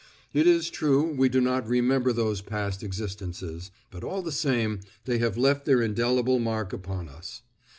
It is true, we do not remember those past existences; but all the same, they have left their indelible mark upon us.